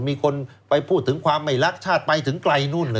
มีคนไปพูดถึงความไม่รักชาติไปถึงไกลนู่นเลย